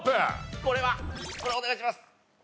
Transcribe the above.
これはこれお願いします。